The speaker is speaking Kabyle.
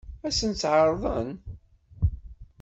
Ad sent-tt-ɛeṛḍen?